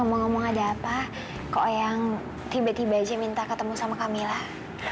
ngomong ngomong ada apa kok ayang tiba tiba aja minta ketemu sama kamilah